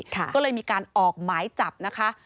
ก็เลยมีการออกหมายจับนะคะ